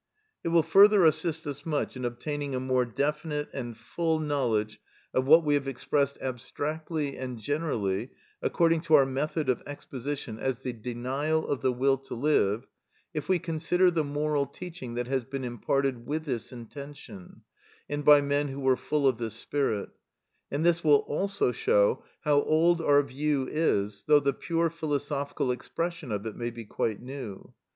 It will further assist us much in obtaining a more definite and full knowledge of what we have expressed abstractly and generally, according to our method of exposition, as the denial of the will to live, if we consider the moral teaching that has been imparted with this intention, and by men who were full of this spirit; and this will also show how old our view is, though the pure philosophical expression of it may be quite new.